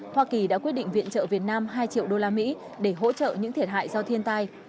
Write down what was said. hoa kỳ đã quyết định viện trợ việt nam hai triệu đô la mỹ để hỗ trợ những thiệt hại do thiên tai